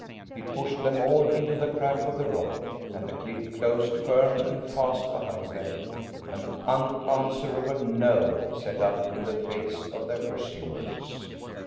It pushed them all into the crack of the rock, and the cliff closed firm and fast behind them, an unanswerable "No" set up in the face of their pursuers.